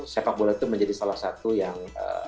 sepak bola itu menjadi salah satu yang